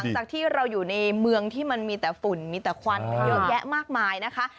จากที่เราอยู่ในเมืองที่มันมีแต่ฝุ่นมีแต่ควันเยอะแยะมากมายนะคะ